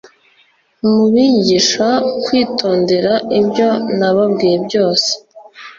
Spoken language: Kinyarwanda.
mubigisha kwitondera ibyo nababwiye byose